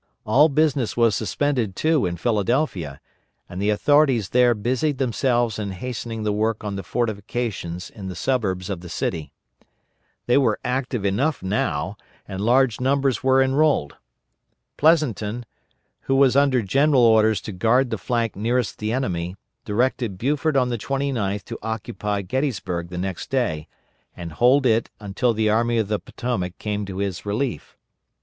All business was suspended, too, in Philadelphia, and the authorities there busied themselves in hastening the work on the fortifications in the suburbs of the city. They were active enough now, and large numbers were enrolled. Pleasonton, who was under general orders to guard the flank nearest the enemy, directed Buford on the 29th to occupy Gettysburg the next day, and hold it until the Army of the Potomac came to his relief.